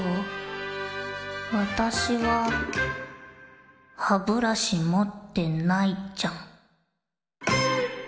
わたしははブラシもってナイちゃん。